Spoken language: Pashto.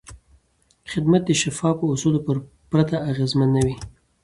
خدمت د شفافو اصولو پرته اغېزمن نه وي.